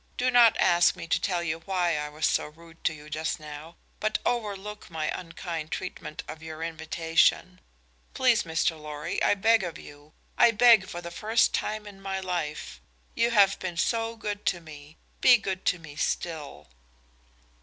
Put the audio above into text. Do not ask me to tell you why I was so rude to you just now, but overlook my unkind treatment of your invitation. Please, Mr. Lorry, I beg of you I beg for the first time in my life. You have been so good to me; be good to me still."